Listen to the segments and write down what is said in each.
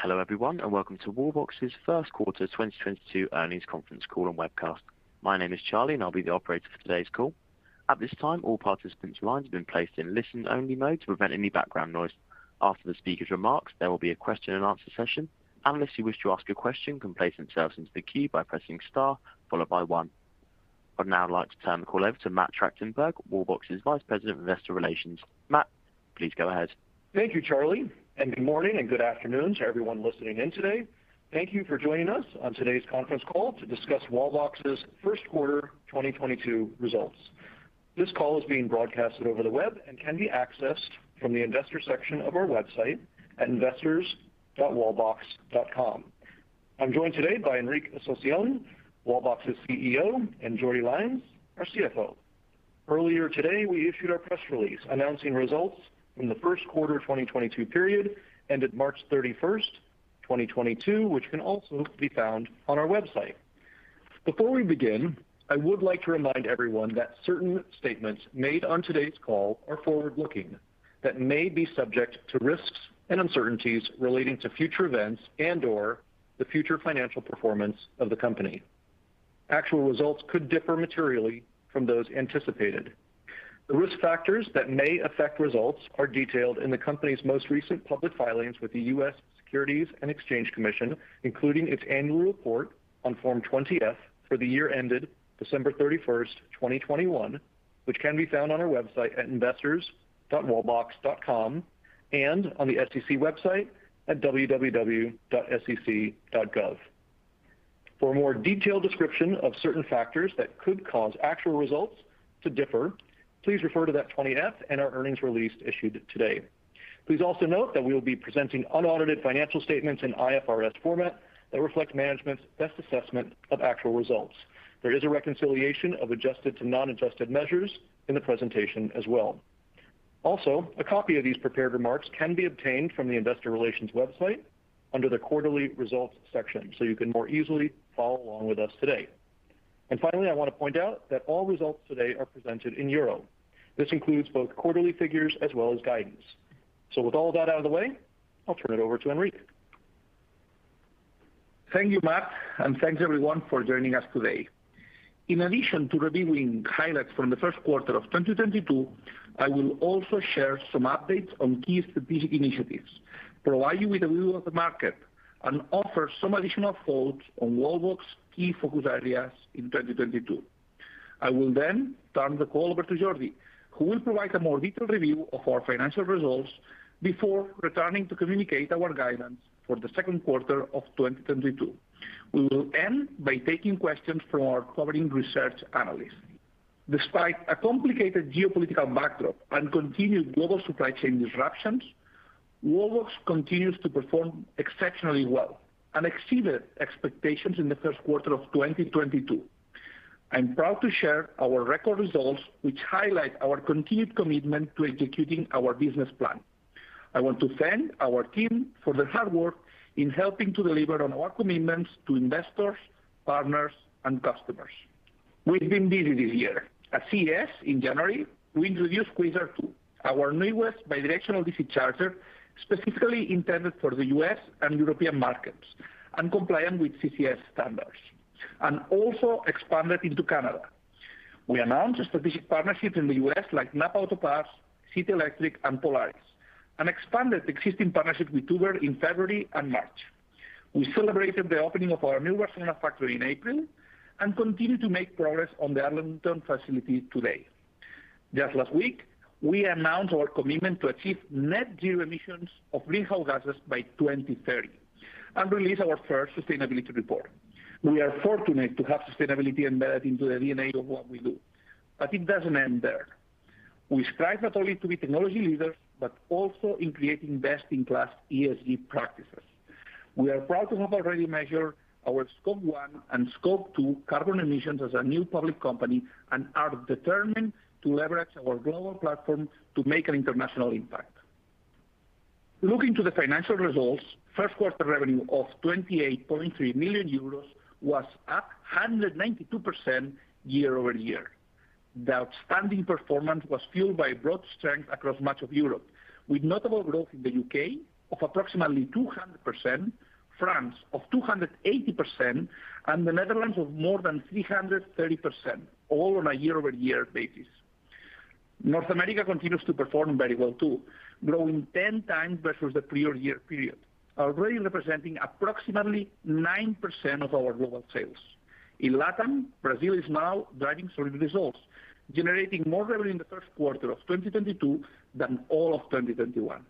Hello, everyone, and welcome to Wallbox's first 1/4 2022 earnings conference call and webcast. My name is Charlie, and I'll be the operator for today's call. At this time, all participants' lines have been placed in Listen-Only Mode to prevent any background noise. After the speaker's remarks, there will be a Question-And-Answer session. Analysts who wish to ask a question can place themselves into the queue by pressing star followed by one. I'd now like to turn the call over to Matt Tractenberg, Wallbox's Vice President of Investor Relations. Matt, please go ahead. Thank you, Charlie, and good morning and good afternoon to everyone listening in today. Thank you for joining us on today's conference call to discuss Wallbox's first 1/4 2022 results. This call is being broadcasted over the web and can be accessed from the investor section of our website at investors.wallbox.com. I'm joined today by Enric Asuncion, Wallbox's CEO, and Jordi Lainz, our CFO. Earlier today, we issued our press release announcing results from the first 1/4 of 2022 period, ended March 31, 2022, which can also be found on our website. Before we begin, I would like to remind everyone that certain statements made on today's call are Forward-Looking that may be subject to risks and uncertainties relating to future events and/or the future financial performance of the company. Actual results could differ materially from those anticipated. The risk factors that may affect results are detailed in the company's most recent public filings with the US Securities and Exchange Commission, including its annual report on Form 20-F for the year ended December 31, 2021, which can be found on our website at investors.wallbox.com and on the SEC website at www.sec.gov. For a more detailed description of certain factors that could cause actual results to differ, please refer to that 20-F and our earnings release issued today. Please also note that we will be presenting unaudited financial statements in IFRS format that reflect management's best assessment of actual results. There is a reconciliation of adjusted to Non-adjusted measures in the presentation as well. Also, a copy of these prepared remarks can be obtained from the investor relations website under the quarterly results section, so you can more easily follow along with us today. Finally, I want to point out that all results today are presented in euro. This includes both quarterly figures as well as guidance. With all that out of the way, I'll turn it over to Enric. Thank you, Matt, and thanks everyone for joining us today. In addition to revealing highlights from the first 1/4 of 2022, I will also share some updates on key strategic initiatives, provide you with a view of the market, and offer some additional thoughts on Wallbox's key focus areas in 2022. I will then turn the call over to Jordi, who will provide a more detailed review of our financial results before returning to communicate our guidance for the second 1/4 of 2022. We will end by taking questions from our covering research analysts. Despite a complicated geopolitical backdrop and continued global supply chain disruptions, Wallbox continues to perform exceptionally well and exceeded expectations in the first 1/4 of 2022. I'm proud to share our record results, which highlight our continued commitment to executing our business plan. I want to thank our team for their hard work in helping to deliver on our commitments to investors, partners, and customers. We've been busy this year. At CES in January, we introduced Quasar 2, our newest bidirectional DC charger, specifically intended for the U.S. and European markets and compliant with CCS standards, and also expanded into Canada. We announced a strategic partnership in the U.S. with NAPA Auto Parts, City Electric Supply, and Polaris, and expanded existing partnership with Uber in February and March. We celebrated the opening of our new Barcelona factory in April and continue to make progress on the Arlington facility today. Just last week, we announced our commitment to achieve net zero emissions of greenhouse gases by 2030 and release our first sustainability report. We are fortunate to have sustainability embedded into the DNA of what we do, but it doesn't end there. We strive not only to be technology leaders, but also in creating best-in-class ESG practices. We are proud to have already measured our Scope 1 and Scope 2 carbon emissions as a new public company and are determined to leverage our global platform to make an international impact. Looking to the financial results, first 1/4 revenue of 28.3 million euros was up 192% Year-Over-Year. The outstanding performance was fueled by broad strength across much of Europe, with notable growth in the UK of approximately 200%, France of 280%, and the Netherlands of more than 330%, all on a Year-Over-Year basis. North America continues to perform very well, too, growing 10x versus the prior year period, already representing approximately 9% of our global sales. In LATAM, Brazil is now driving solid results, generating more revenue in the first 1/4 of 2022 than all of 2021.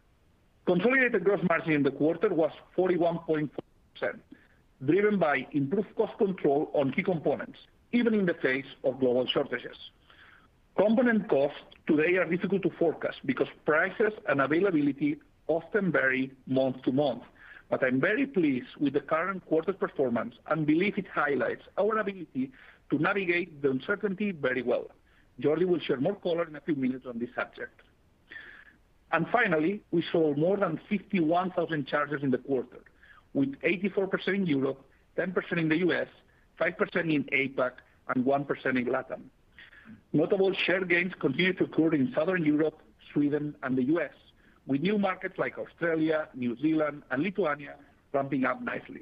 Consolidated gross margin in the 1/4 was 41.4%, driven by improved cost control on key components, even in the face of global shortages. Component costs today are difficult to forecast because prices and availability often vary month to month. I'm very pleased with the current 1/4's performance and believe it highlights our ability to navigate the uncertainty very well. Jordi will share more color in a few minutes on this subject. Finally, we sold more than 51,000 chargers in the 1/4, with 84% in Europe, 10% in the US, 5% in APAC, and 1% in LATAM. Notable share gains continue to occur in Southern Europe, Sweden, and the US, with new markets like Australia, New Zealand, and Lithuania ramping up nicely.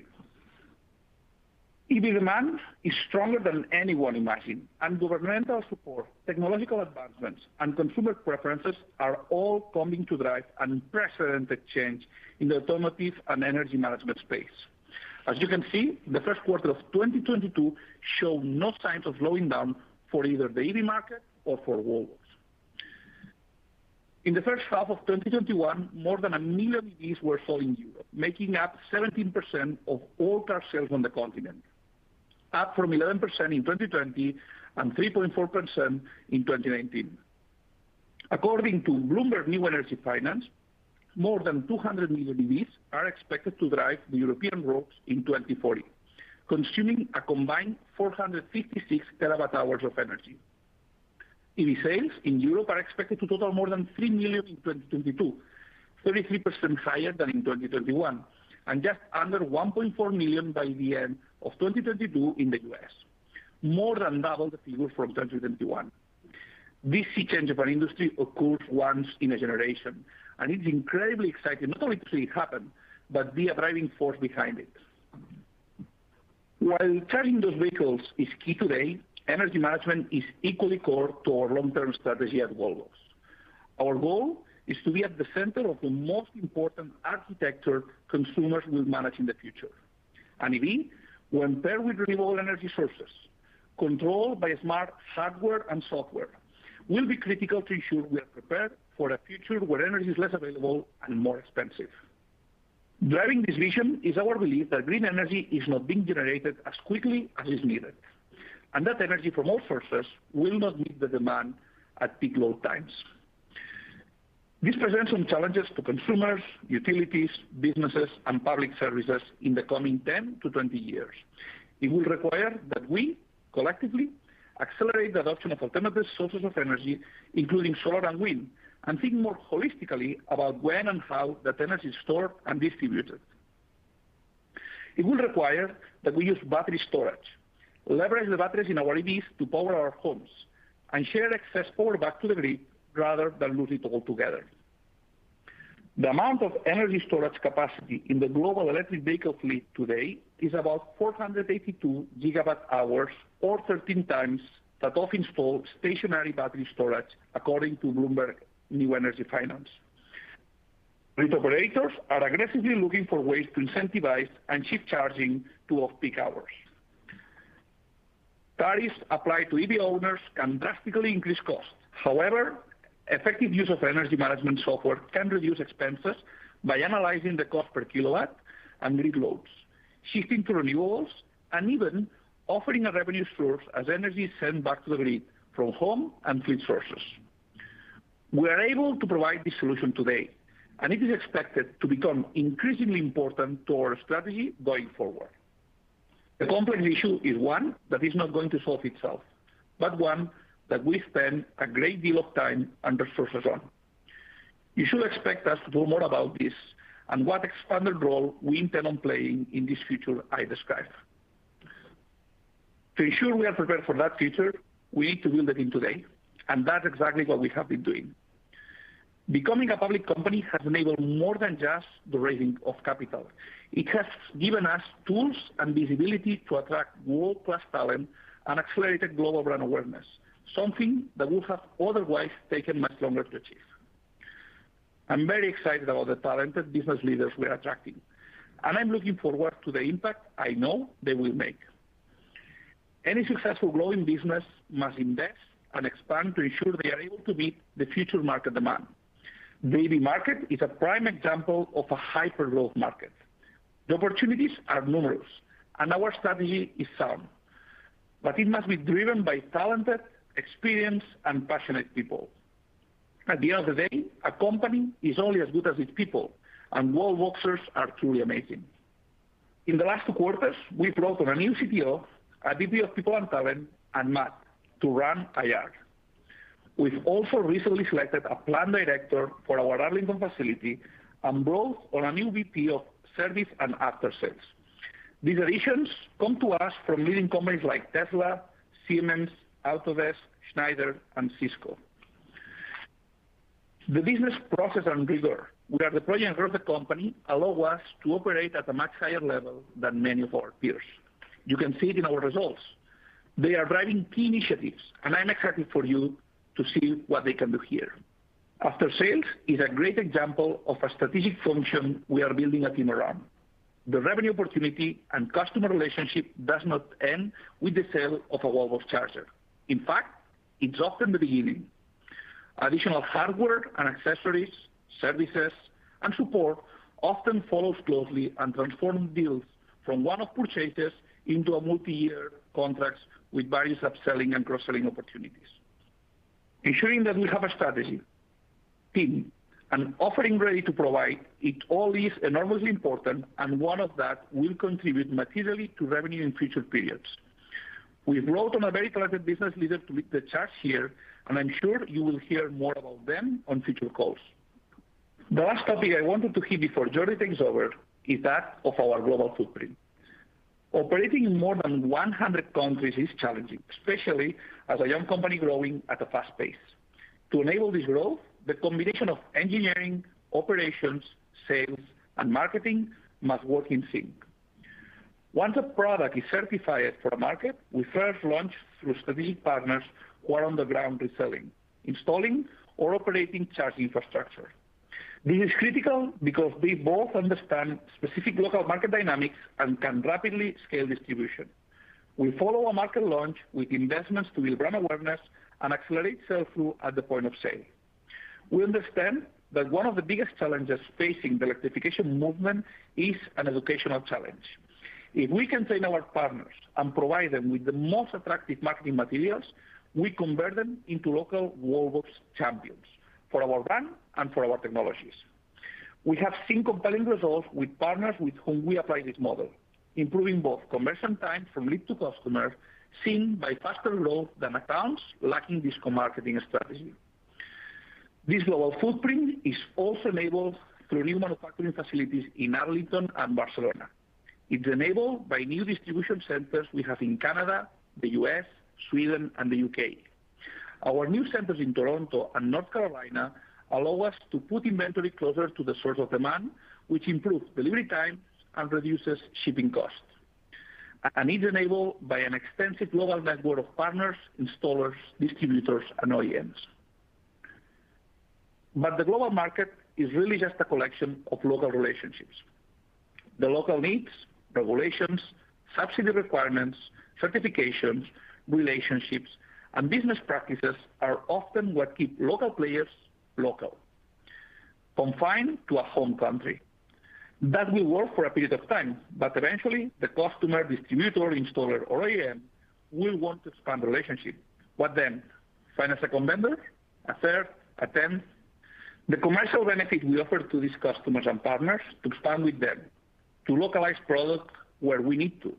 EV demand is stronger than anyone imagined, and governmental support, technological advancements, and consumer preferences are all coming together to drive unprecedented change in the automotive and energy management space. As you can see, the first 1/4 of 2022 showed no signs of slowing down for either the EV market or for Wallbox's. In the first 1/2 of 2021, more than 1 million EVs were sold in Europe, making up 17% of all car sales on the continent, up from 11% in 2020 and 3.4% in 2019. According to Bloomberg New Energy Finance, more than 200 million EVs are expected to drive the European roads in 2040, consuming a combined 456 Terawatt-Hours of energy. EV sales in Europe are expected to total more than 3 million in 2022, 33% higher than in 2021, and just under 1.4 million by the end of 2022 in the US, more than double the figure from 2021. This sea change of an industry occurs once in a generation, and it's incredibly exciting not only to see it happen, but be a driving force behind it. While charging those vehicles is key today, energy management is equally core to our Long-Term strategy at Wallbox's. Our goal is to be at the center of the most important architecture consumers will manage in the future. An EV, when paired with renewable energy sources, controlled by smart hardware and software, will be critical to ensure we are prepared for a future where energy is less available and more expensive. Driving this vision is our belief that green energy is not being generated as quickly as is needed, and that energy from all sources will not meet the demand at peak load times. This presents some challenges to consumers, utilities, businesses, and public services in the coming 10-20 years. It will require that we collectively accelerate the adoption of alternative sources of energy, including solar and wind, and think more holistically about when and how that energy is stored and distributed. It will require that we use battery storage, leverage the batteries in our EVs to power our homes, and share excess power back to the grid rather than lose it altogether. The amount of energy storage capacity in the global electric vehicle fleet today is about 482 gigawatt-hours or 13 times that of installed stationary battery storage, according to Bloomberg New Energy Finance. Grid operators are aggressively looking for ways to incentivize and shift charging to off-peak hours. Tariffs applied to EV owners can drastically increase costs. However, effective use of energy management software can reduce expenses by analyzing the cost per kilowatt and grid loads, shifting to renewables, and even offering a revenue source as energy is sent back to the grid from home and fleet sources. We are able to provide this solution today, and it is expected to become increasingly important to our strategy going forward. The complex issue is one that is not going to solve itself, but one that we spend a great deal of time and resources on. You should expect us to do more about this and what expanded role we intend on playing in this future I describe. To ensure we are prepared for that future, we need to build the team today, and that's exactly what we have been doing. Becoming a public company has enabled more than just the raising of capital. It has given us tools and visibility to attract World-Class talent and accelerated global brand awareness, something that would have otherwise taken much longer to achieve. I'm very excited about the talented business leaders we are attracting, and I'm looking forward to the impact I know they will make. Any successful growing business must invest and expand to ensure they are able to meet the future market demand. The EV market is a prime example of a hyper-growth market. The opportunities are numerous, and our strategy is sound, but it must be driven by talented, experienced, and passionate people. At the end of the day, a company is only as good as its people, and Wallboxers are truly amazing. In the last 2 quarters, we've brought on a new CPO, a VP of People and Talent, and Matt to run IR. We've also recently selected a plant director for our Arlington facility and brought on a new VP of Service and After-sales. These additions come to us from leading companies like Tesla, Siemens, Alstom, Schneider, and Cisco. The business process and rigor we have deployed as a public company allow us to operate at a much higher level than many of our peers. You can see it in our results. They are driving key initiatives, and I'm excited for you to see what they can do here. After-sales is a great example of a strategic function we are building a team around. The revenue opportunity and customer relationship does not end with the sale of a Volvo charger. In fact, it's often the beginning. Additional hardware and accessories, services, and support often follows closely and transform deals from One-Off purchases into a Multi-Year contracts with various upselling and Cross-Selling opportunities. Ensuring that we have a strategy, team, and offering ready to provide it all is enormously important, and one of that will contribute materially to revenue in future periods. We've brought on a very talented business leader to lead the charge here, and I'm sure you will hear more about them on future calls. The last topic I wanted to hit before Jordi takes over is that of our global footprint. Operating in more than 100 countries is challenging, especially as a young company growing at a fast pace. To enable this growth, the combination of engineering, operations, sales, and marketing must work in sync. Once a product is certified for a market, we first launch through strategic partners who are on the ground reselling, installing, or operating charge infrastructure. This is critical because we both understand specific local market dynamics and can rapidly scale distribution. We follow a market launch with investments to build brand awareness and accelerate sales flow at the point of sale. We understand that one of the biggest challenges facing the electrification movement is an educational challenge. If we can train our partners and provide them with the most attractive marketing materials, we convert them into local Wallbox champions for our brand and for our technologies. We have seen compelling results with partners with whom we apply this model, improving both conversion time from lead to customer seen by faster growth than accounts lacking this co-marketing strategy. This global footprint is also enabled through new manufacturing facilities in Arlington and Barcelona. It's enabled by new distribution centers we have in Canada, the US, Sweden, and the UK. Our new centers in Toronto and North Carolina allow us to put inventory closer to the source of demand, which improves delivery times and reduces shipping costs, and is enabled by an extensive global network of partners, installers, distributors, and OEMs. The global market is really just a collection of local relationships. The local needs, regulations, subsidy requirements, certifications, relationships, and business practices are often what keep local players local, confined to a home country. That will work for a period of time, but eventually, the customer, distributor, installer, or OEM will want to expand the relationship. What then? Find a second member? A 1/3? A tenth? The commercial benefit we offer to these customers and partners to expand with them to localize product where we need to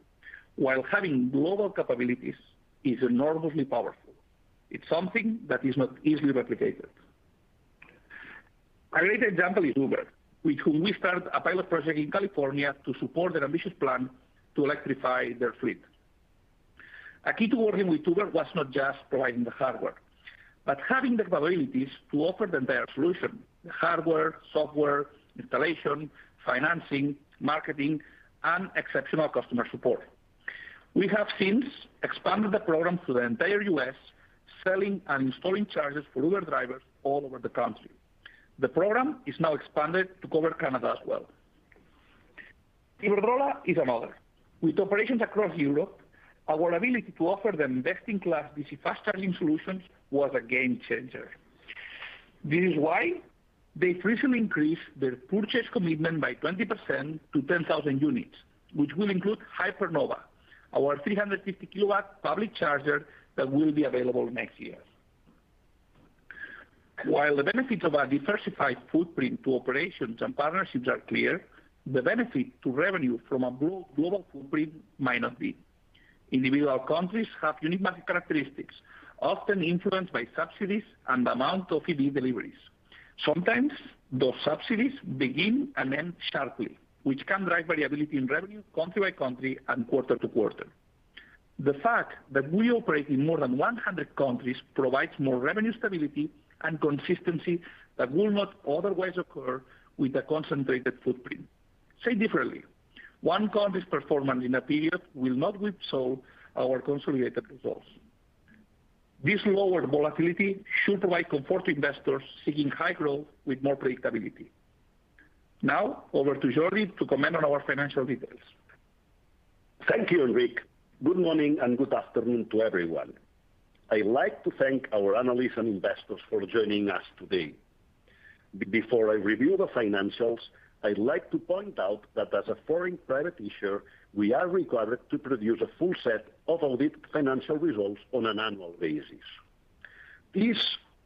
while having global capabilities is enormously powerful. It's something that is not easily replicated. A great example is Uber, with whom we started a pilot project in California to support their ambitious plan to electrify their fleet. A key to working with Uber was not just providing the hardware, but having the capabilities to offer them the entire solution, hardware, software, installation, financing, marketing, and exceptional customer support. We have since expanded the program to the entire U.S., selling and installing chargers for Uber drivers all over the country. The program is now expanded to cover Canada as well. Iberdrola is another. With operations across Europe, our ability to offer them Nest-In-Class DC fast charging solutions was a game changer. This is why they recently increased their purchase commitment by 20% to 10,000 units, which will include Hypernova, our 350 KW public charger that will be available next year. While the benefits of our diversified footprint to operations and partnerships are clear, the benefit to revenue from a global footprint might not be. Individual countries have unique market characteristics, often influenced by subsidies and amount of EV deliveries. Sometimes those subsidies begin and end sharply, which can drive variability in revenue country by country and 1/4 to 1/4. The fact that we operate in more than 100 countries provides more revenue stability and consistency that will not otherwise occur with a concentrated footprint. Said differently, one country's performance in a period will not whipsaw our consolidated results. This lower volatility should provide comfort to investors seeking high growth with more predictability. Now over to Jordi to comment on our financial details. Thank you, Enric. Good morning, and good afternoon to everyone. I'd like to thank our analysts and investors for joining us today. Before I review the financials, I'd like to point out that as a foreign private issuer, we are required to produce a full set of audited financial results on an annual basis. These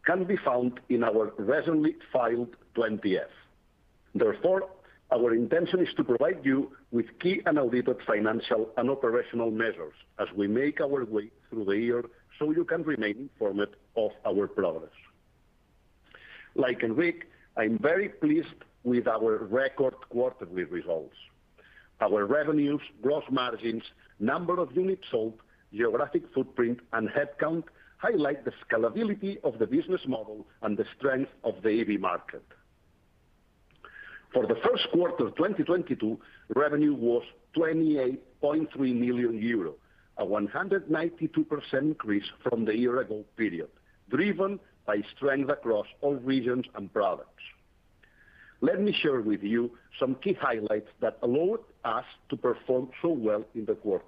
can be found in our recently filed 20-F. Therefore, our intention is to provide you with key unaudited financial and operational measures as we make our way through the year, so you can remain informed of our progress. Like Enric, I'm very pleased with our record quarterly results. Our revenues, gross margins, number of units sold, geographic footprint, and headcount highlight the scalability of the business model and the strength of the EV market. For the first 1/4 of 2022, revenue was 28.3 million euros, a 192% increase from the Year-Ago period, driven by strength across all regions and products. Let me share with you some key highlights that allowed us to perform so well in the 1/4.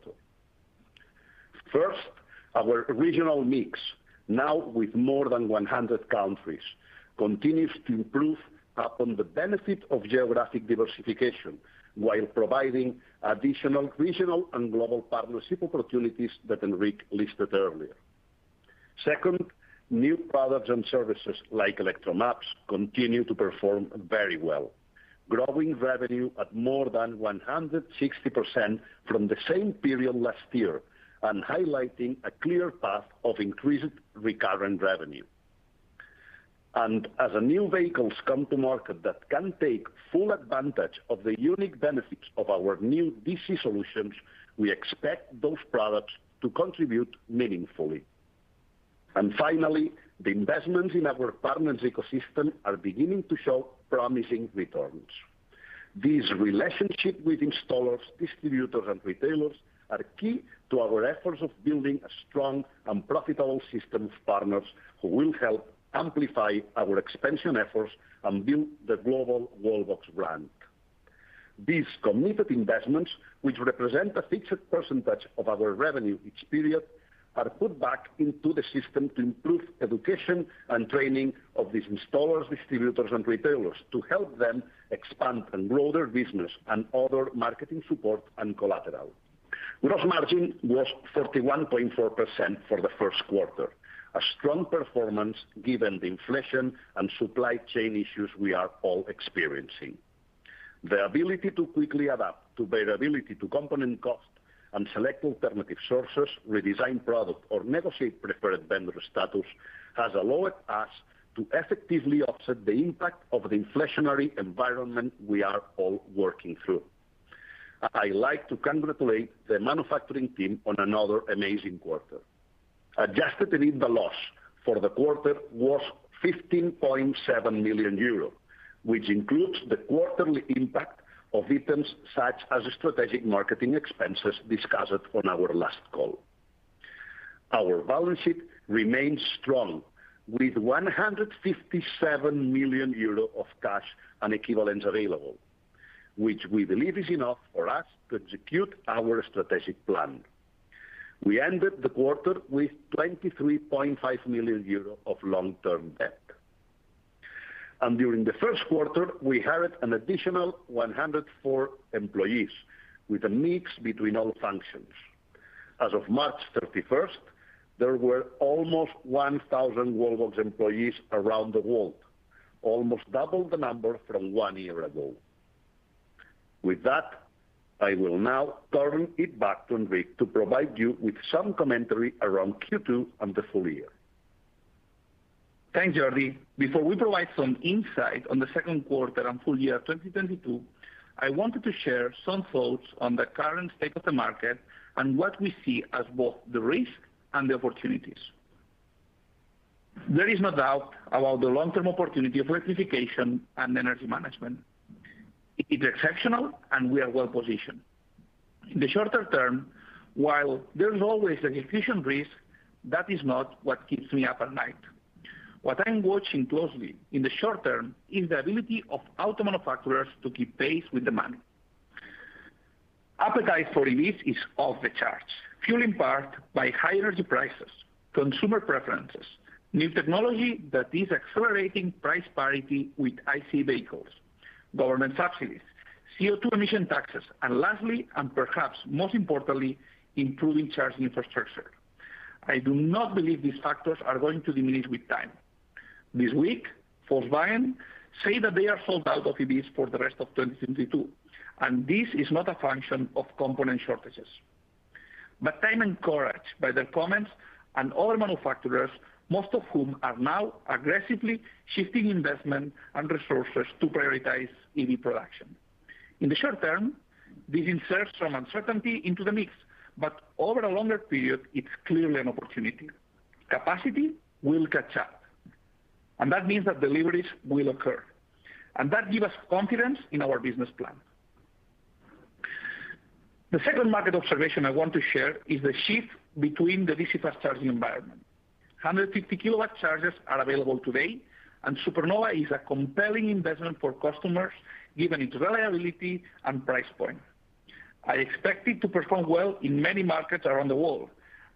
First, our regional mix, now with more than 100 countries, continues to improve upon the benefit of geographic diversification while providing additional regional and global partnership opportunities that Enric listed earlier. Second, new products and services like Electromaps continue to perform very well. Growing revenue at more than 160% from the same period last year and highlighting a clear path of increased recurrent revenue. As new vehicles come to market that can take full advantage of the unique benefits of our new DC solutions, we expect those products to contribute meaningfully. Finally, the investments in our partners ecosystem are beginning to show promising returns. These relationships with installers, distributors, and retailers are key to our efforts of building a strong and profitable system of partners who will help amplify our expansion efforts and build the global Wallbox brand. These committed investments, which represent a fixed percentage of our revenue each period, are put back into the system to improve education and training of these installers, distributors, and retailers to help them expand and grow their business and other marketing support and collateral. Gross margin was 31.4% for the first 1/4. A strong performance given the inflation and supply chain issues we are all experiencing. The ability to quickly adapt to variability to component cost and select alternative sources, redesign product, or negotiate preferred vendor status has allowed us to effectively offset the impact of the inflationary environment we are all working through. I'd like to congratulate the manufacturing team on another amazing 1/4. Adjusted EBITDA loss for the 1/4 was 15.7 million euros, which includes the quarterly impact of items such as strategic marketing expenses discussed on our last call. Our balance sheet remains strong with 157 million euro of cash and equivalents available, which we believe is enough for us to execute our strategic plan. We ended the 1/4 with 23.5 million euros of Long-Term debt. During the first 1/4, we hired an additional 104 employees with a mix between all functions. As of March 31st, there were almost 1,000 Wallbox employees around the world, almost double the number from 1 year ago. With that, I will now turn it back to Enric to provide you with some commentary around Q2 and the full year. Thanks, Jordi. Before we provide some insight on the second 1/4 and full year 2022, I wanted to share some thoughts on the current state of the market and what we see as both the risk and the opportunities. There is no doubt about the Long-Term opportunity of electrification and energy management. It is exceptional, and we are well positioned. In the shorter term, while there's always an inherent risk, that is not what keeps me up at night. What I'm watching closely in the short term is the ability of auto manufacturers to keep pace with demand. Appetite for EVs is off the charts, fueled in part by high energy prices, consumer preferences, new technology that is accelerating price parity with IC vehicles, government subsidies, CO2 emission taxes, and lastly, and perhaps most importantly, improving charging infrastructure. I do not believe these factors are going to diminish with time. This week, Volkswagen say that they are sold out of EVs for the rest of 2022, and this is not a function of component shortages. I'm encouraged by their comments and other manufacturers, most of whom are now aggressively shifting investment and resources to prioritize EV production. In the short term, this inserts some uncertainty into the mix, but over a longer period, it's clearly an opportunity. Capacity will catch up, and that means that deliveries will occur, and that give us confidence in our business plan. The second market observation I want to share is the shift between the DC fast charging environment. 150 kW chargers are available today, and Supernova is a compelling investment for customers given its reliability and price point. I expect it to perform well in many markets around the world,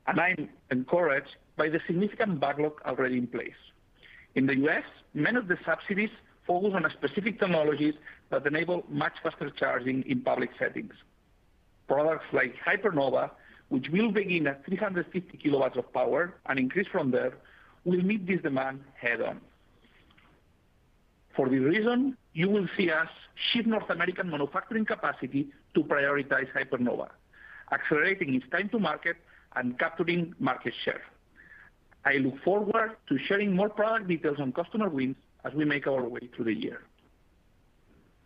and I'm encouraged by the significant backlog already in place. In the U.S., many of the subsidies focus on a specific technologies that enable much faster charging in public settings. Products like Hypernova, which will begin at 350 kW of power and increase from there, will meet this demand head on. For this reason, you will see us shift North American manufacturing capacity to prioritize Hypernova, accelerating its time to market and capturing market share. I look forward to sharing more product details on customer wins as we make our way through the year.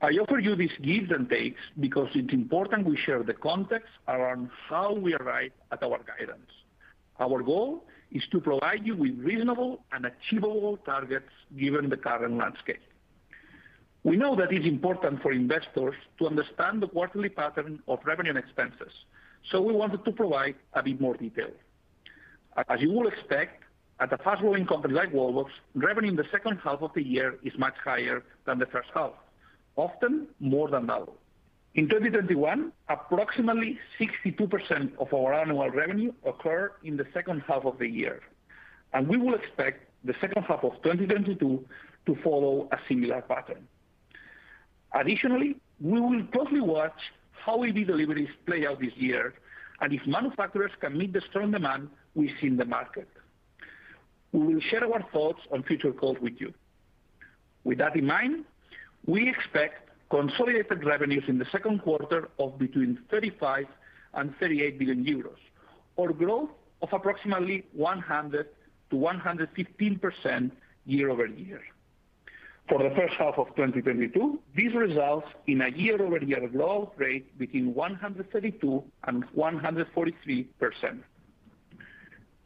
I offer you these gives and takes because it's important we share the context around how we arrive at our guidance. Our goal is to provide you with reasonable and achievable targets given the current landscape. We know that it's important for investors to understand the quarterly pattern of revenue and expenses, so we wanted to provide a bit more detail. As you would expect, at a fast-growing company like Wallbox, revenue in the second 1/2 of the year is much higher than the first 1/2, often more than double. In 2021, approximately 62% of our annual revenue occurred in the second 1/2 of the year, and we will expect the second 1/2 of 2022 to follow a similar pattern. Additionally, we will closely watch how EV deliveries play out this year and if manufacturers can meet the strong demand we see in the market. We will share our thoughts on future calls with you. With that in mind, we expect consolidated revenues in the second 1/4 of between 35 billion and 38 billion euros, or growth of approximately 100%-115% Year-Over-Year. For the first 1/2 of 2022, this results in a Year-Over-Year growth rate between 132% and 143%.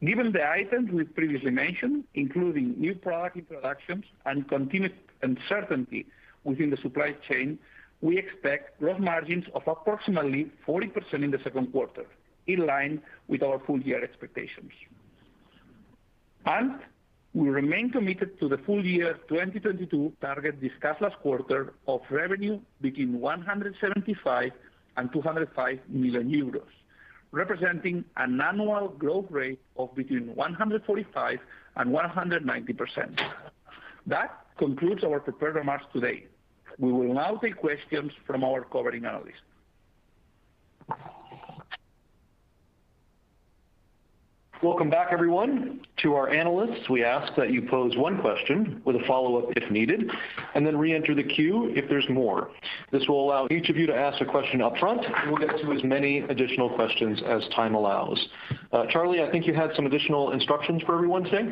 Given the items we've previously mentioned, including new product introductions and continued uncertainty within the supply chain, we expect gross margins of approximately 40% in the second 1/4, in line with our Full-Year expectations. We remain committed to the Full-Year 2022 target discussed last 1/4 of revenue between 175 million and 205 million euros, representing an annual growth rate of between 145% and 190%. That concludes our prepared remarks today. We will now take questions from our covering analysts. Welcome back everyone. To our analysts, we ask that you pose one question with a Follow-Up if needed, and then reenter the queue if there's more. This will allow each of you to ask a question up front, and we'll get to as many additional questions as time allows. Charlie, I think you had some additional instructions for everyone today.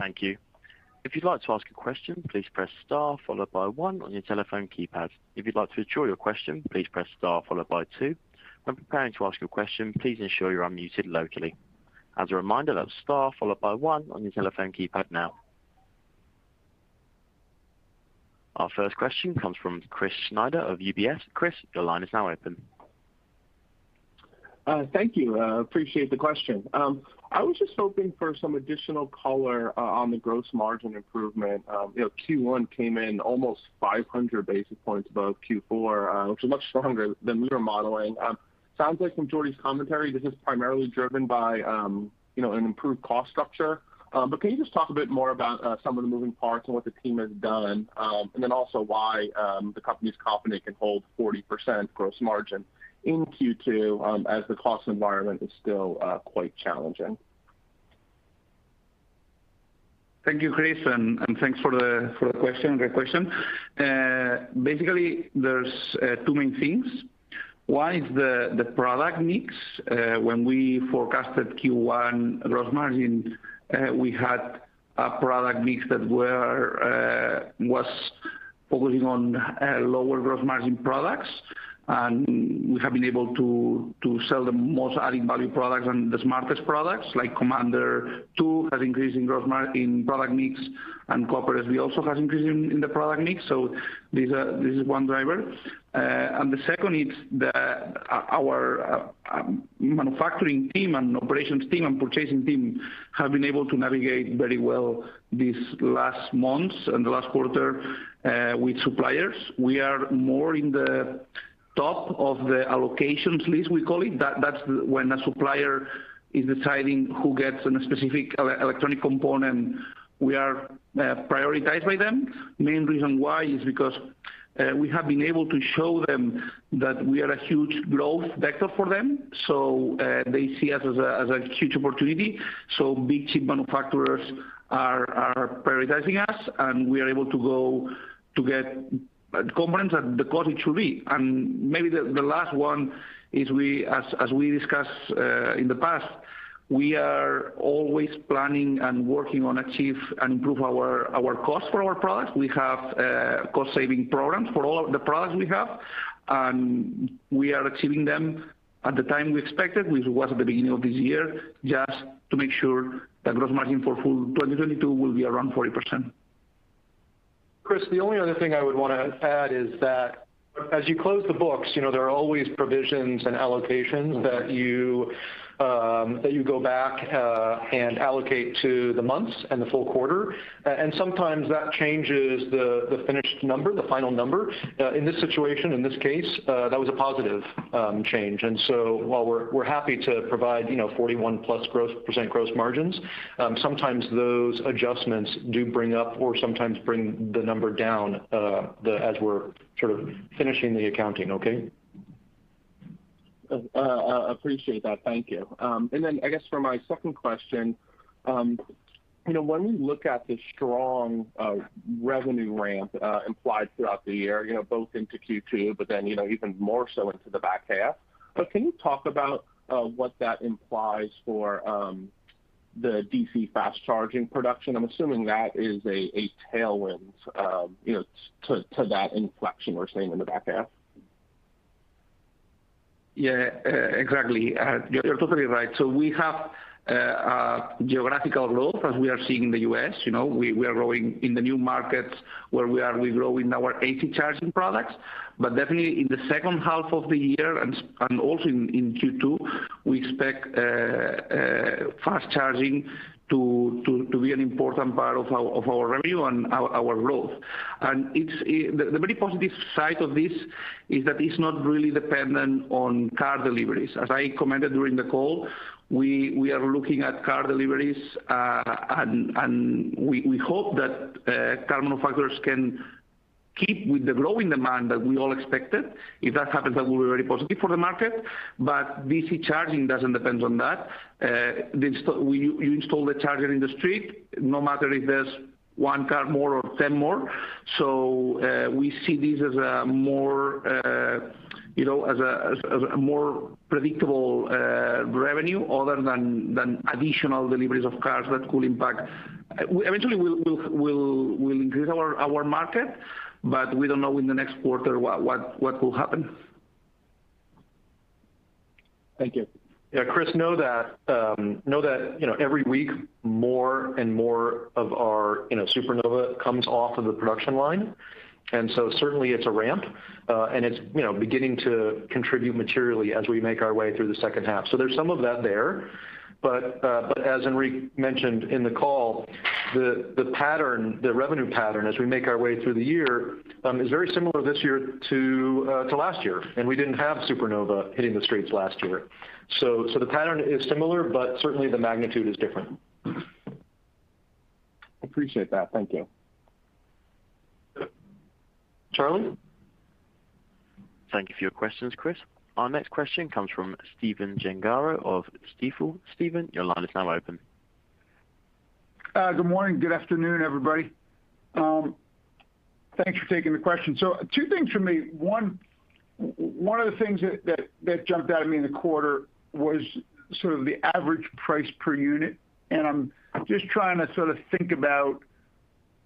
Thank you. If you'd like to ask a question, please press star followed by one on your telephone keypad. If you'd like to withdraw your question, please press star followed by 2. When preparing to ask your question, please ensure you're unmuted locally. As a reminder, that's star followed by one on your telephone keypad now. Our first question comes from Chris Snyder of UBS. Chris, your line is now open. Thank you. Appreciate the question. I was just hoping for some additional color on the gross margin improvement. You know, Q1 came in almost 500 basis points above Q4, which is much stronger than we were modeling. Sounds like from Jordi's commentary, this is primarily driven by, you know, an improved cost structure. Can you just talk a bit more about some of the moving parts and what the team has done? Also why the company's confident it can hold 40% gross margin in Q2, as the cost environment is still quite challenging. Thank you, Chris, and thanks for the question. Great question. Basically, there's 2 main things. One is the product mix. When we forecasted Q1 gross margin, we had a product mix that was focusing on lower gross margin products, and we have been able to sell the most adding value products and the smartest products like Commander 2 has increased in product mix, and Copper SB also has increased in the product mix. This is one driver. The second is our manufacturing team and operations team and purchasing team have been able to navigate very well these last months and the last 1/4 with suppliers. We are more in the top of the allocations list we call it. That's when a supplier is deciding who gets a specific electronic component. We are prioritized by them. Main reason why is because we have been able to show them that we are a huge growth vector for them, so they see us as a huge opportunity. So big chip manufacturers are prioritizing us, and we are able to go to get components at the cost it should be. Maybe the last one is we—as we discussed in the past, we are always planning and working on achieve and improve our cost for our products. We have cost saving programs for all the products we have, and we are achieving them at the time we expected, which was at the beginning of this year, just to make sure that gross margin for full 2022 will be around 40%. Chris, the only other thing I would wanna add is that as you close the books, you know, there are always provisions and allocations that you go back and allocate to the months and the full 1/4. Sometimes that changes the finished number, the final number. In this situation, in this case, that was a positive change. While we're happy to provide, you know, 41+% gross margins, sometimes those adjustments do bring up or sometimes bring the number down as we're sort of finishing the accounting. Okay? Appreciate that. Thank you. I guess for my second question, you know, when we look at the strong revenue ramp implied throughout the year, you know, both into Q2, but then, you know, even more so into the back 1/2. Can you talk about what that implies for the DC fast charging production? I'm assuming that is a tailwind, you know, to that inflection we're seeing in the back 1/2. Yeah. Exactly. You're totally right. We have a geographical growth as we are seeing in the U.S. You know, we are growing in the new markets where we grow in our AC charging products. Definitely in the second 1/2 of the year and also in Q2, we expect fast charging to be an important part of our revenue and our growth. It's the very positive side of this is that it's not really dependent on car deliveries. As I commented during the call, we are looking at car deliveries and we hope that car manufacturers can keep with the growing demand that we all expected. If that happens, that will be very positive for the market. DC charging doesn't depend on that. When you install the charger in the street, no matter if there's one car more or ten more. We see this as, you know, a more predictable revenue other than additional deliveries of cars that could impact. Eventually we'll increase our market, but we don't know in the next 1/4 what will happen. Thank you. Yeah, Chris, you know, every week more and more of our, you know, Supernova comes off of the production line. Certainly it's a ramp. It's, you know, beginning to contribute materially as we make our way through the second 1/2. There's some of that there. As Enric mentioned in the call, the pattern, the revenue pattern as we make our way through the year, is very similar this year to last year, and we didn't have Supernova hitting the streets last year. The pattern is similar, but certainly the magnitude is different. Appreciate that. Thank you. Charlie? Thank you for your questions, Chris. Our next question comes from Stephen Gengaro of Stifel. Stephen, your line is now open. Good morning, good afternoon, everybody. Thanks for taking the question. Two things from me. One of the things that jumped out at me in the 1/4 was sort of the average price per unit, and I'm just trying to sort of think about,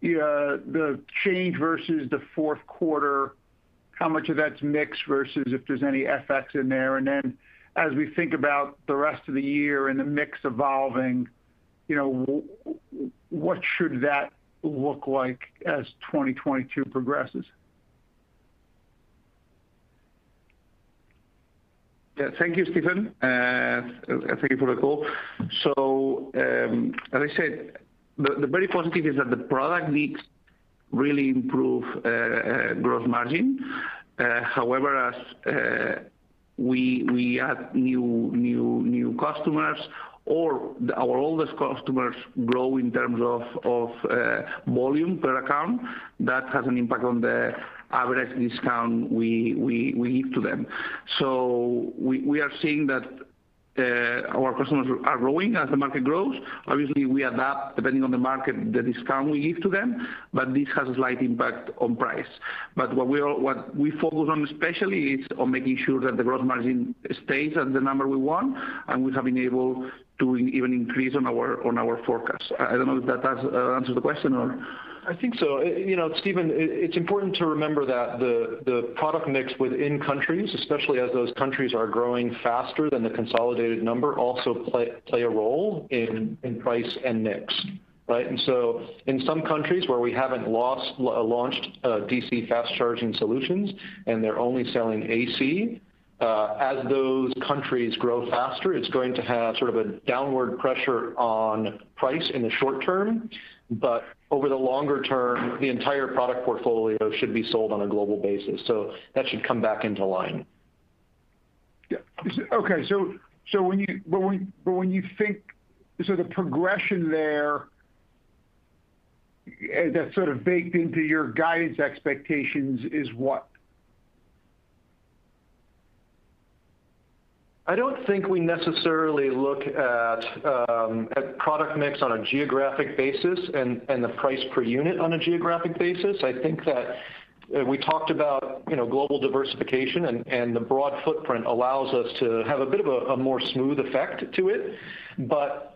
yeah, the change versus the 4th 1/4, how much of that's mix versus if there's any FX in there. Then as we think about the rest of the year and the mix evolving, you know, what should that look like as 2022 progresses? Yeah. Thank you, Stephen, thank you for the call. As I said, the very positive is that the product mix really improve gross margin. However, as we add new customers or our oldest customers grow in terms of volume per account, that has an impact on the average discount we give to them. We are seeing that our customers are growing as the market grows. Obviously, we adapt depending on the market, the discount we give to them, but this has a slight impact on price. What we focus on especially is on making sure that the gross margin stays at the number we want, and we have been able to even increase on our forecast. I don't know if that has answered the question or. I think so. You know, Stephen, it's important to remember that the product mix within countries, especially as those countries are growing faster than the consolidated number also play a role in price and mix, right? In some countries where we haven't launched DC fast charging solutions, and they're only selling AC, as those countries grow faster, it's going to have sort of a downward pressure on price in the short term. Over the longer term, the entire product portfolio should be sold on a global basis, so that should come back into line. Yeah. Okay. But when you think, the progression there that's sort of baked into your guidance expectations is what? I don't think we necessarily look at product mix on a geographic basis and the price per unit on a geographic basis. I think that we talked about, you know, global diversification and the broad footprint allows us to have a bit of a more smooth effect to it.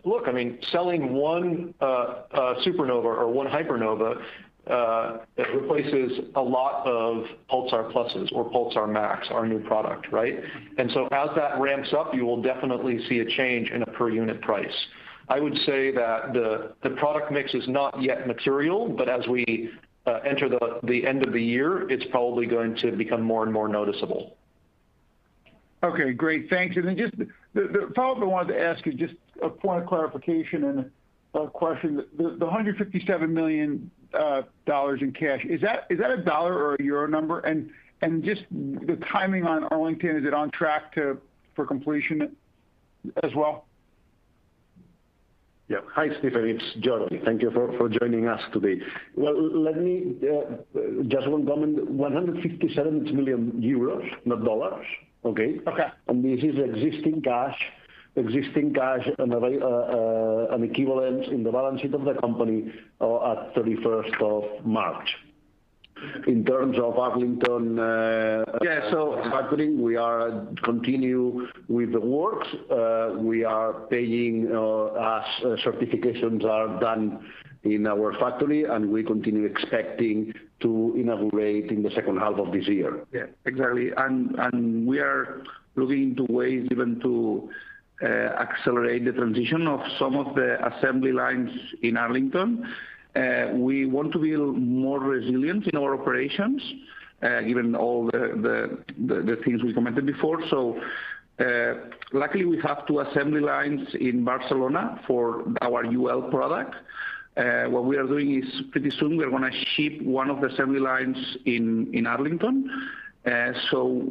Look, I mean, selling one Supernova or one Hypernova, it replaces a lot of Pulsar Pluses or Pulsar Max, our new product, right? As that ramps up, you will definitely see a change in a per unit price. I would say that the product mix is not yet material, but as we enter the end of the year, it's probably going to become more and more noticeable. Okay. Great. Thanks. Probably wanted to ask you just a point of clarification and a question. The $157 million in cash, is that a dollar or a euro number? Just the timing on Arlington, is it on track for completion as well? Yeah. Hi, Stephen, it's Jordi. Thank you for joining us today. Well, let me just one comment. 157 million euros, not dollars, okay? Okay. This is existing cash and an equivalent in the balance sheet of the company at 31st of March. In terms of Arlington. Yeah. factory, we are continuing with the works. We are paying as certifications are done in our factory, and we continue expecting to inaugurate in the second 1/2 of this year. Yeah, exactly. We are looking into ways even to accelerate the transition of some of the assembly lines in Arlington. We want to be more resilient in our operations, given all the things we commented before. Luckily, we have 2 assembly lines in Barcelona for our UL product. What we are doing is pretty soon we're gonna ship one of the assembly lines to Arlington.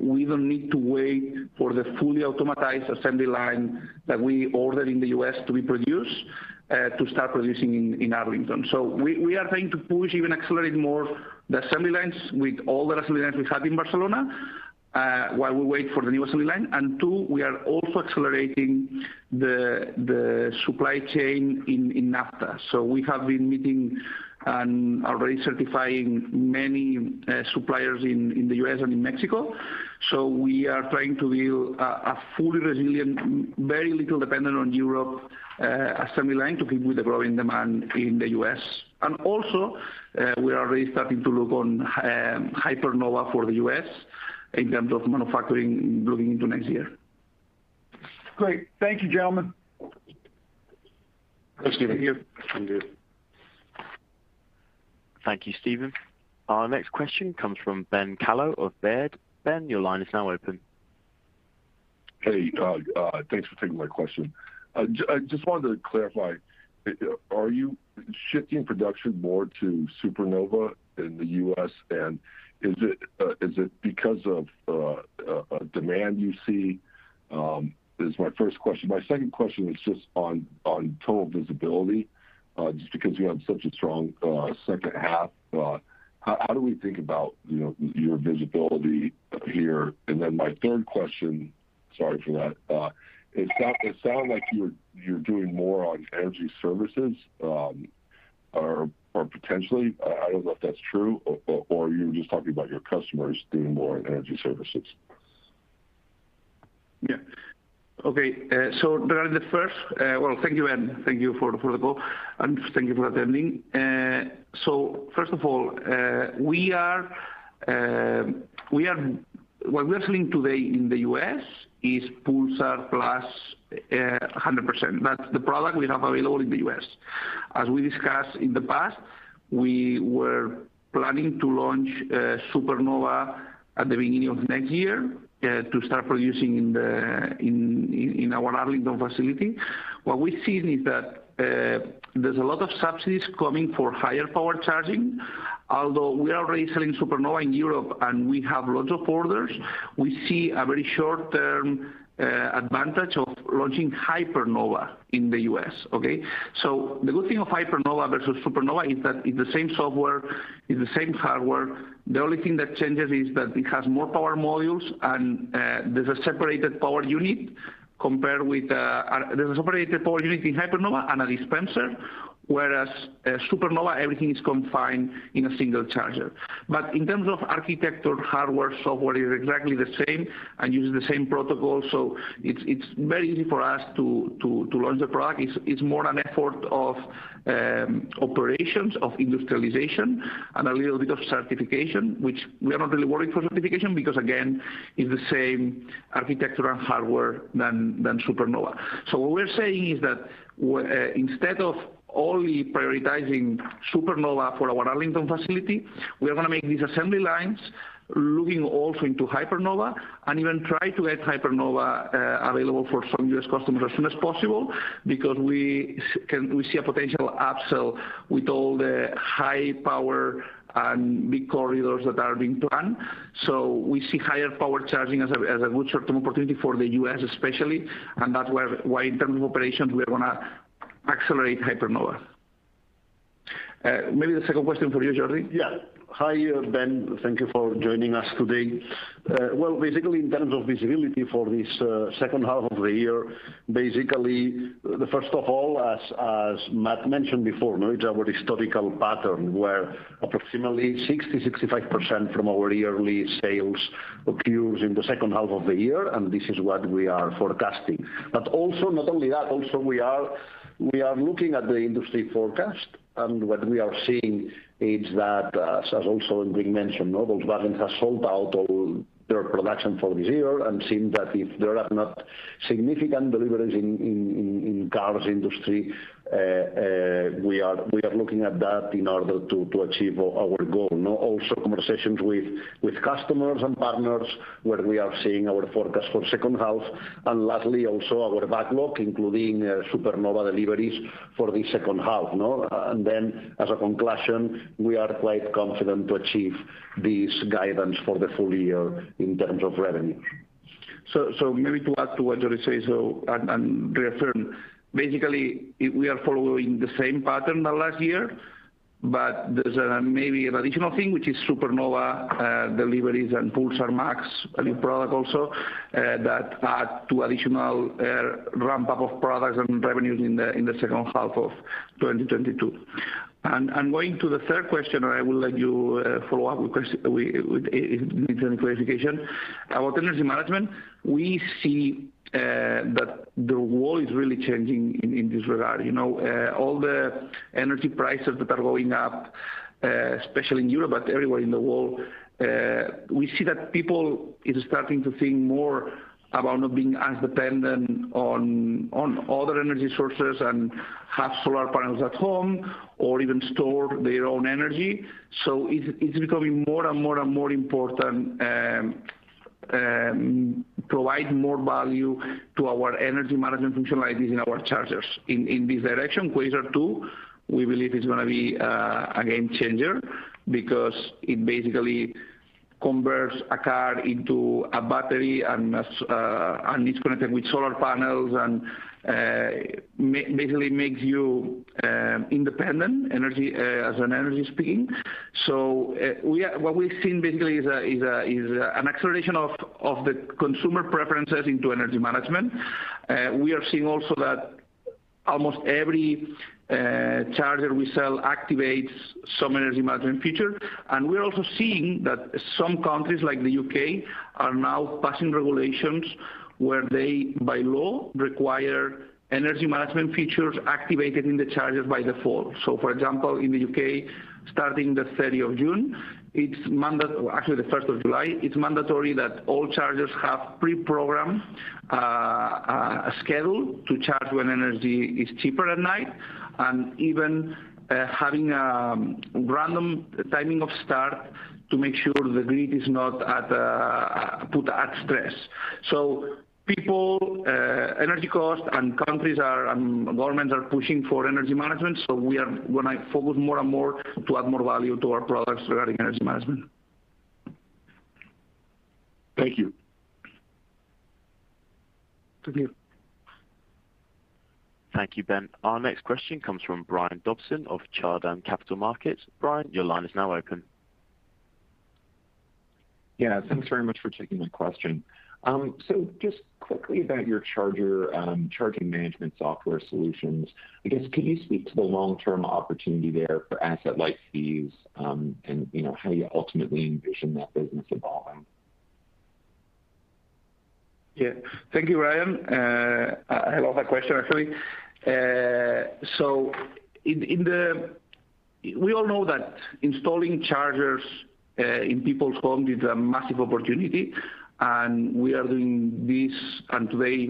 We don't need to wait for the fully automated assembly line that we ordered in the US to be produced to start producing in Arlington. We are trying to push, even accelerate more the assembly lines with all the assembly lines we have in Barcelona, while we wait for the new assembly line. Two, we are also accelerating the supply chain in NAFTA. We have been meeting and already certifying many suppliers in the US and in Mexico. We are trying to build a fully resilient, very little dependent on Europe, assembly line to keep with the growing demand in the US. We are already starting to look on Hypernova for the US in terms of manufacturing looking into next year. Great. Thank you, gentlemen. Thanks for having you. Thank you. Thank you, Stephen. Our next question comes from Benjamin Kallo of Baird. Benjamin, your line is now open. Hey, thanks for taking my question. I just wanted to clarify. Are you shifting production more to Supernova in the U.S., and is it because of a demand you see? Is my first question. My second question is just on total visibility, just because you have such a strong second 1/2, how do we think about your visibility here? You know. Then my 1/3 question, sorry for that, it sounds like you're doing more on energy services, or potentially. I don't know if that's true or you were just talking about your customers doing more on energy services. Thank you, Benjamin. Thank you for the call, and thank you for attending. First of all, what we are selling today in the U.S. is Pulsar Plus, 100%. That's the product we have available in the U.S. As we discussed in the past, we were planning to launch Supernova at the beginning of next year to start producing in our Arlington facility. What we've seen is that there's a lot of subsidies coming for higher power charging. Although we are already selling Supernova in Europe, and we have lots of orders, we see a very Short-Term advantage of launching Hypernova in the U.S., okay? The good thing of Hypernova versus Supernova is that it's the same software, it's the same hardware. The only thing that changes is that it has more power modules and there's a separated power unit compared with. There's a separated power unit in Hypernova and a dispenser, whereas Supernova, everything is confined in a single charger. In terms of architecture, hardware, software, it is exactly the same and uses the same protocol. It's very easy for us to launch the product. It's more an effort of operations of industrialization and a little bit of certification, which we are not really worried for certification because, again, it's the same architecture and hardware than Supernova. What we're saying is that instead of only prioritizing Supernova for our Arlington facility, we are gonna make these assembly lines looking also into Hypernova and even try to get Hypernova available for some U.S. customers as soon as possible because we see a potential upsell with all the high power and big corridors that are being planned. We see higher power charging as a good Short-Term opportunity for the U.S. especially, and that's why in terms of operations, we are gonna accelerate Hypernova. Maybe the second question for you, Jordi. Yeah. Hi, Benjamin. Thank you for joining us today. Well, basically in terms of visibility for this second 1/2 of the year, basically, the first of all, as Matt mentioned before, it's our historical pattern, where approximately 60-65% of our yearly sales occurs in the second 1/2 of the year, and this is what we are forecasting. Also, not only that, we are looking at the industry forecast, and what we are seeing is that, as also Enric mentioned, Volkswagen has sold out all their production for this year. Seeing that if there are not significant deliveries in the car industry, we are looking at that in order to achieve our goal, you know. Also conversations with customers and partners, where we are seeing our forecast for second 1/2. Lastly, also our backlog, including Supernova deliveries for the second 1/2, no? Then as a conclusion, we are quite confident to achieve this guidance for the full year in terms of revenue. Maybe to add to what Jordi says and reaffirm, basically we are following the same pattern than last year, but there's maybe an additional thing, which is Supernova deliveries and Pulsar Max, a new product also, that add 2 additional Ramp-Up of products and revenues in the second 1/2 of 2022. Going to the 1/3 question, I will let you follow up with Enric for clarification. Our energy management, we see that the world is really changing in this regard. You know, all the energy prices that are going up, especially in Europe, but everywhere in the world, we see that people is starting to think more about not being as dependent on other energy sources and have solar panels at home or even store their own energy. It's becoming more and more important to provide more value to our energy management functionalities in our chargers. In this direction, Quasar 2, we believe is gonna be a game changer because it basically converts a car into a battery, and it's connected with solar panels and basically makes you independent Energy-Wise. What we've seen basically is an acceleration of the consumer preferences into energy management. We are seeing also that almost every charger we sell activates some energy management feature. We're also seeing that some countries, like the UK, are now passing regulations where they, by law, require energy management features activated in the chargers by default. For example, in the UK, starting the 30th of June, or actually the 1st of July, it's mandatory that all chargers have Pre-programmed a schedule to charge when energy is cheaper at night, and even having a random timing of start to make sure the grid is not put at stress. People's energy costs and countries' governments are pushing for energy management, so we are gonna focus more and more to add more value to our products regarding energy management. Thank you. Xavier? Thank you, Benjamin. Our next question comes from Brian Dobson of Chardan Capital Markets. Brian, your line is now open. Yeah. Thanks very much for taking my question. Just quickly about your charger, charging management software solutions, I guess could you speak to the Long-Term opportunity there for asset light fees, and, you know, how you ultimately envision that business evolving? Yeah. Thank you, Brian. I love that question actually. We all know that installing chargers in people's home is a massive opportunity, and we are doing this, and today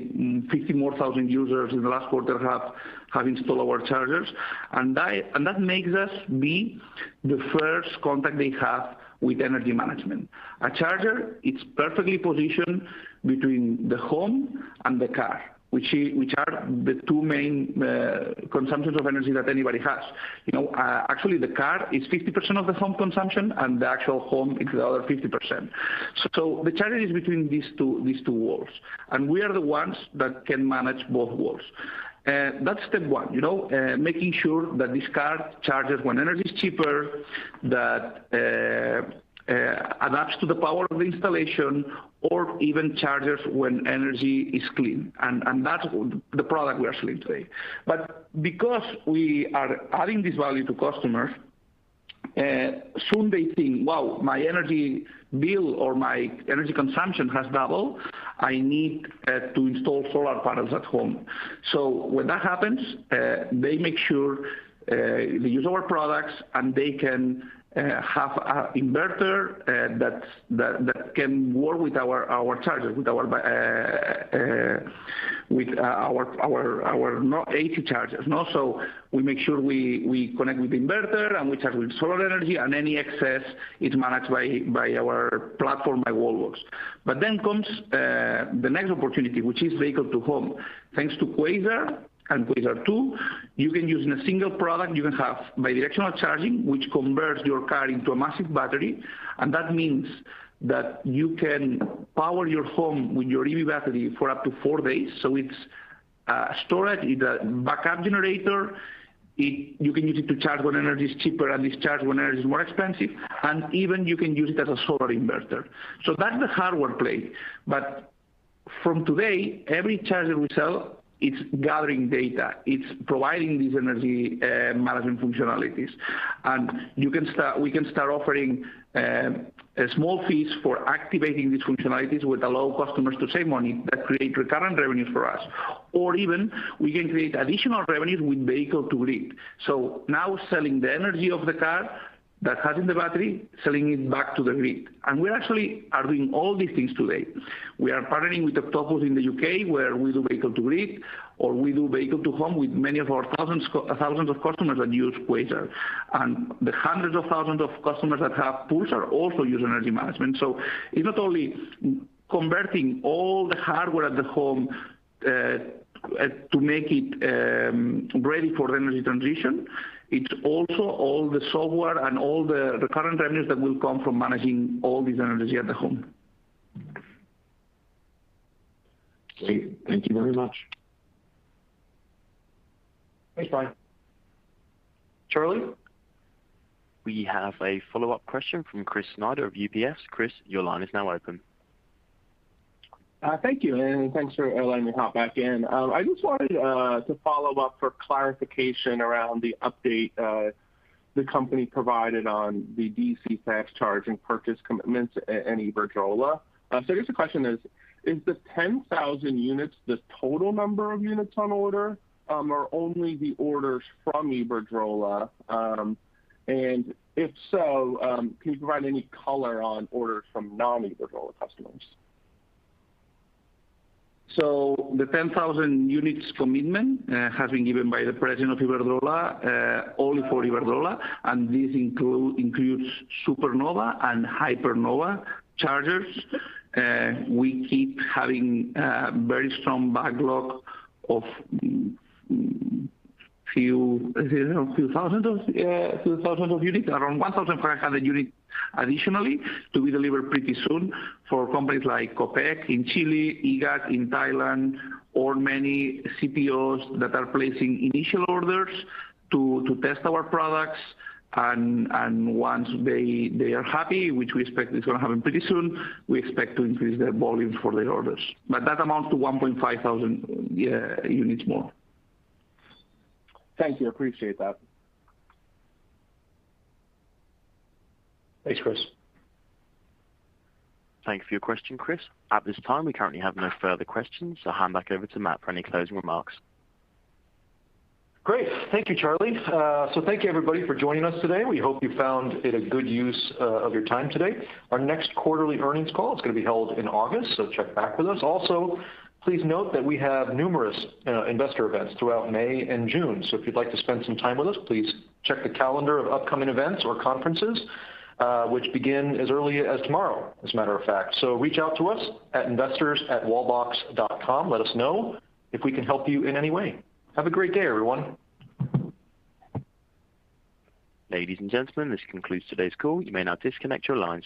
50,000 more users in the last 1/4 have installed our chargers. That makes us be the first contact they have with energy management. A charger, it's perfectly positioned between the home and the car, which are the 2 main consumptions of energy that anybody has. You know, actually the car is 50% of the home consumption and the actual home is the other 50%. The charger is between these 2 worlds, and we are the ones that can manage both worlds. That's step one, you know, making sure that this car charges when energy's cheaper, that adapts to the power of the installation or even charges when energy is clean and that's the product we are selling today. Because we are adding this value to customers, soon they think, "Wow, my energy bill or my energy consumption has doubled. I need to install solar panels at home." When that happens, they make sure they use our products, and they can have an inverter that can work with our chargers, with our AC chargers. Also we make sure we connect with the inverter and we charge with solar energy and any excess is managed by our platform, by Wallbox. comes the next opportunity, which is vehicle-to-home. Thanks to Quasar and Quasar 2, you can use in a single product, you can have bidirectional charging, which converts your car into a massive battery, and that means that you can power your home with your EV battery for up to 4 days. It's storage, it's a backup generator. You can use it to charge when energy is cheaper and discharge when energy is more expensive, and even you can use it as a solar inverter. That's the hardware play. From today, every charger we sell, it's gathering data. It's providing these energy management functionalities. You can start we can start offering a small fees for activating these functionalities, which allow customers to save money that create recurrent revenues for us. We can create additional revenues with vehicle-to-grid. Now selling the energy of the car that has in the battery, selling it back to the grid. We actually are doing all these things today. We are partnering with Octopus Energy in the UK, where we do Vehicle-To-Grid, or we do Vehicle-To-Home with many of our thousands of customers that use Quasar. The hundreds of thousands of customers that have Pulsar Plus also use energy management. It's not only converting all the hardware at the home to make it ready for the energy transition, it's also all the software and all the recurrent revenues that will come from managing all this energy at the home. Great. Thank you very much. Thanks, Brian. Charlie? We have a Follow-Up question from Chris Snyder of UBS. Chris, your line is now open. Thank you, and thanks for letting me hop back in. I just wanted to follow up for clarification around the update the company provided on the DC fast charge and purchase commitments at Iberdrola. I guess the question is the 10,000 units the total number of units on order, or only the orders from Iberdrola? And if so, can you provide any color on orders from Non-Iberdrola customers? The 10,000 units commitment has been given by the president of Iberdrola, only for Iberdrola, and this includes Supernova and Hypernova chargers. We keep having very strong backlog of few thousands of units. Around 1,500 units additionally to be delivered pretty soon for companies like Copec in Chile, EGAT in Thailand, or many CPOs that are placing initial orders to test our products. Once they are happy, which we expect is gonna happen pretty soon, we expect to increase their volume for their orders. That amounts to 1,500 units more. Thank you. Appreciate that. Thanks, Chris. Thanks for your question, Chris. At this time, we currently have no further questions, so hand back over to Matt for any closing remarks. Great. Thank you, Charlie. Thank you everybody for joining us today. We hope you found it a good use of your time today. Our next quarterly earnings call is gonna be held in August. Check back with us. Also, please note that we have numerous investor events throughout May and June. If you'd like to spend some time with us, please check the calendar of upcoming events or conferences which begin as early as tomorrow, as a matter of fact. Reach out to us at investors@wallbox.com. Let us know if we can help you in any way. Have a great day, everyone. Ladies and gentlemen, this concludes today's call. You may now disconnect your lines.